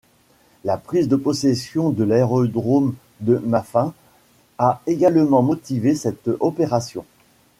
La prise de possession de l'aérodrome de Maffin a également motivé cette opération.